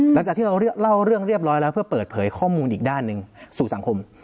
หลังจากที่เราเล่าเรื่องเรียบร้อยแล้วเพื่อเปิดเผยข้อมูลอีกด้านหนึ่งสู่สังคม